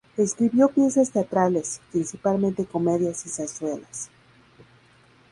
Escribió piezas teatrales, principalmente comedias y zarzuelas.